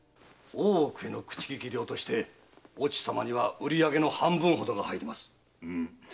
大奥の口利き料として越智様には売り上げの半分ほどが入ります。